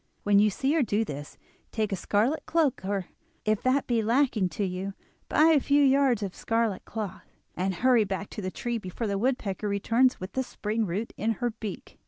When you see her do this, take a scarlet cloak, or if that be lacking to you, buy a few yards of scarlet cloth, and hurry back to the tree before the woodpecker returns with the spring root in her beak.